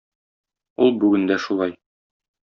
Ул бүген дә шулай.